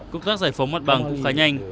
công tác giải phóng mặt bằng cũng khá nhanh